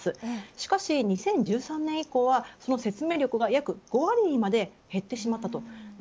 しかし２０１３年以降はその説明力が約５割にまで減ってしまったということです。